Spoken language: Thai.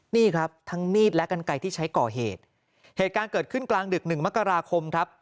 นี่ครับทั้งมีดและกันไกลที่ใช้ก่อเหตุเหตุการณ์เกิดขึ้นกลางดึกหนึ่งมกราคมครับ